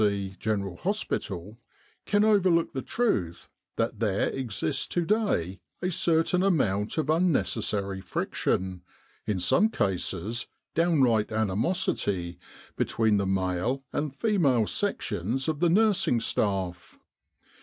C. General Hospital can overlook the truth that there exists to day a certain amount of unnecessary friction, in some cases downright animosity, between the male and female sections of the nursing staff.